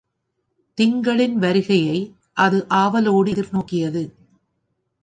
திங்களின் வருகையை அது ஆவலோடு எதிர்நோக்கியது.